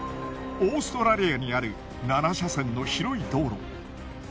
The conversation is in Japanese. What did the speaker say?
オーストラリアにある７車線の広い道路。